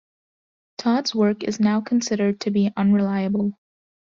Tod's work is now considered to be unreliable.